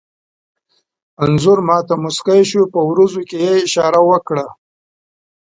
انځور ما ته موسکی شو، په وروځو کې یې اشاره وکړه.